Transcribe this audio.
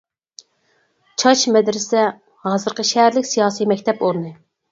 «چاچ مەدرىسە» ھازىرقى شەھەرلىك سىياسىي مەكتەپ ئورنى.